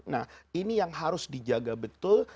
nah ini yang harus dijaga betul